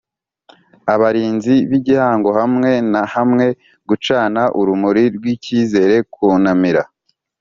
Abarinzi b igihango hamwe na hamwe gucana urumuri rw icyizere kunamira